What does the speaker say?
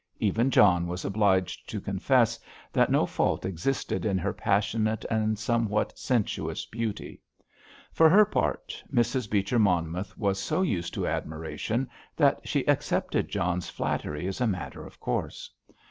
Even John was obliged to confess that no fault existed in her passionate and somewhat sensuous beauty. For her part, Mrs. Beecher Monmouth was so used to admiration that she accepted John's flattery as a matter of course.